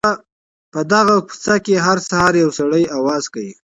په دغه کوڅې کي هر سهار یو سړی اواز کوي.